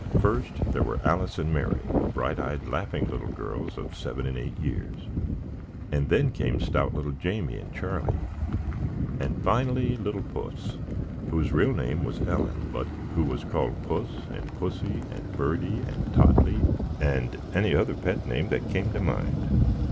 First, there were Alice and Mary, bright eyed, laughing little girls, of seven and eight years; and then came stout little Jamie, and Charlie; and finally little Puss, whose real name was Ellen, but who was called Puss, and Pussy, and Birdie, and Toddlie, and any other pet name that came to mind.